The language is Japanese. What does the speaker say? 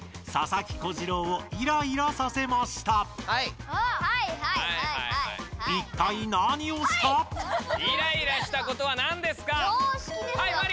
はいはいはいはい。